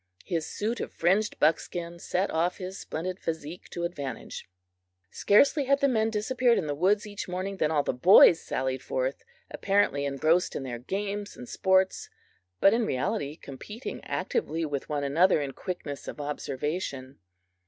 His suit of fringed buckskin set off his splendid physique to advantage. Scarcely had the men disappeared in the woods each morning than all the boys sallied forth, apparently engrossed in their games and sports, but in reality competing actively with one another in quickness of observation.